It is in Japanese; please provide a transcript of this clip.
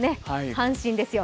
阪神ですよ。